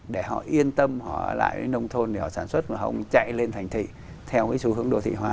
để họ yên tâm họ ở lại nông thôn để họ sản xuất và họ chạy lên thành thị theo cái xu hướng đô thị hóa